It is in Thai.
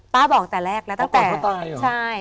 ป้าบอกตั้งแต่แรกแล้ว